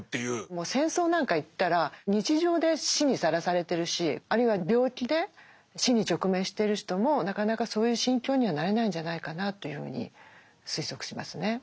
もう戦争なんか行ったら日常で死にさらされてるしあるいは病気で死に直面している人もなかなかそういう心境にはなれないんじゃないかなというふうに推測しますね。